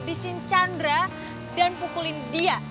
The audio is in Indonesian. bisin chandra dan pukulin dia